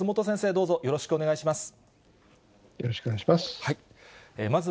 よろしくお願いします。